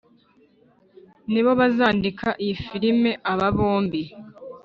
nibo bazandika iyi filime. Aba bombi